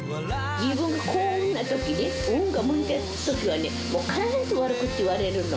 自分が幸運なとき、運が向いたときはね、必ず悪口言われるの。